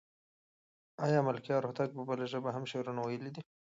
آیا ملکیار هوتک په بلې ژبې هم شعر ویلی دی؟